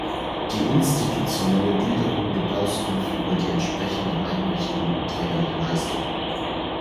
Die institutionelle Gliederung gibt Auskunft über die entsprechenden Einrichtungen und Träger der Leistungen.